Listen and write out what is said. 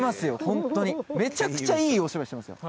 ホントにめちゃくちゃいいお芝居してますよ